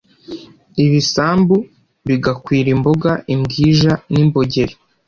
ibisambu bigakwira imboga : imbwija,n’ imbogeri